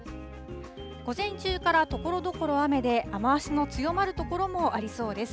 午前中からところどころ雨で、雨足の強まる所もありそうです。